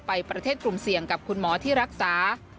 ไปประเทศกลุ่มเสี่ยงกับคุณหมอที่รักษา